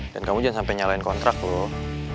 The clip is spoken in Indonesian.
dan kamu jangan sampai nyalain kontrak loh